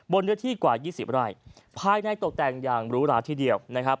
เนื้อที่กว่า๒๐ไร่ภายในตกแต่งอย่างหรูหราทีเดียวนะครับ